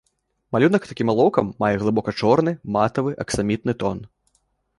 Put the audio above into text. Малюнак такім алоўкам мае глыбока чорны, матавы, аксамітны тон.